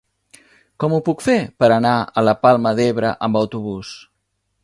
Com ho puc fer per anar a la Palma d'Ebre amb autobús?